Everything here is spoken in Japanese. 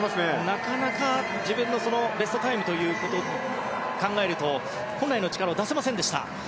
なかなか自分のベストタイムを考えると本来の力を出せませんでした。